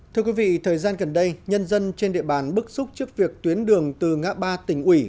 thưa quý vị thời gian gần đây nhân dân trên địa bàn bức xúc trước việc tuyến đường từ ngã ba tỉnh ủy